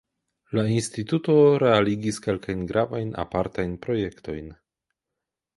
La instituto realigis kelkajn gravajn apartajn projektojn.